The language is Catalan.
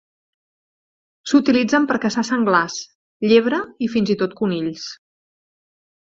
S'utilitzen per caçar senglars, llebre i fins i tot conills.